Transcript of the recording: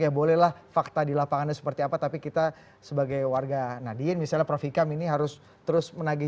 ya bolehlah fakta di lapangannya seperti apa tapi kita sebagai warga nadien misalnya prof ikam ini harus terus menagih